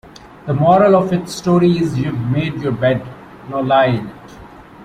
The moral of its story is you've made your bed, now lie in it.